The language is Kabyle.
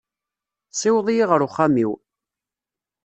Siweḍ-iyi ɣer uxxam-iw.